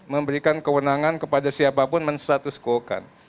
memberikan kewenangan kepada siapapun menstatuskuokan